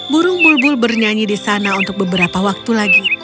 burung bulbul bernyanyi di sana untuk beberapa waktu lagi